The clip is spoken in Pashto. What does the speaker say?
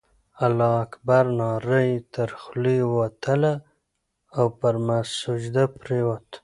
الله اکبر ناره یې تر خولې ووتله او پر سجده پرېوت.